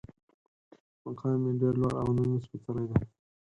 مقام یې ډېر لوړ او نوم یې سپېڅلی دی.